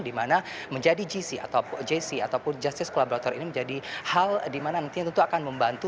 dimana menjadi gc ataupun justice collaborator ini menjadi hal dimana nantinya tentu akan membantu